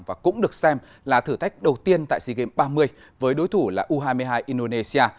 và cũng được xem là thử thách đầu tiên tại sea games ba mươi với đối thủ là u hai mươi hai indonesia